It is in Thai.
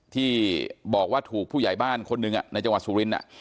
ที่บอกว่าถูกผู้ใหญ่บ้านคนหนึ่งในจังหวัดสุรินทร์